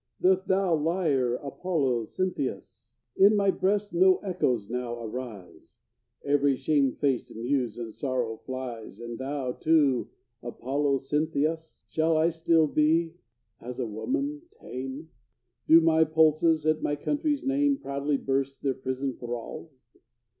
Doth thy lyre, Apollo Cynthius? In my breast no echoes now arise, Every shamefaced muse in sorrow flies, And thou, too, Apollo Cynthius? Shall I still be, as a woman, tame? Do my pulses, at my country's name, Proudly burst their prison thralls?